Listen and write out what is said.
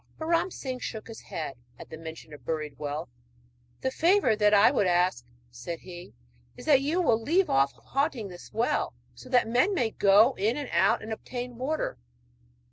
But Ram Singh shook his head at the mention of buried wealth. 'The favour that I would ask,' said he, 'is that you will leave off haunting this well, so that men may go in and out and obtain water.'